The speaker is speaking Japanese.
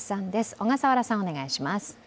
小笠原さん、お願いします。